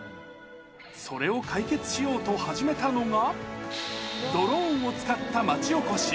それを解決しようと始めたのが、ドローンを使った町おこし。